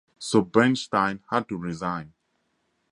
So Bernstein had to resign.